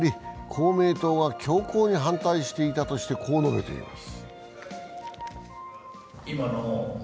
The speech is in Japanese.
公明党が強硬に反対していたとしてこう述べています。